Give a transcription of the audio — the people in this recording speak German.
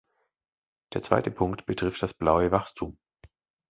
Der zweite Punkt betrifft das "blaue Wachstum".